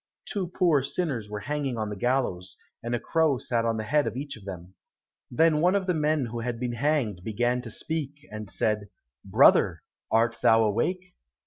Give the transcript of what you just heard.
Two poor sinners were hanging on the gallows, and a crow sat on the head of each of them. Then one of the men who had been hanged began to speak, and said, "Brother, art thou awake?"